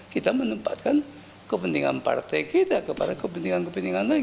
kita menempatkan kepentingan partai kita kepada kepentingan kepentingan lain